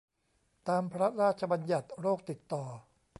ตามพระราชบัญญัติโรคติดต่อ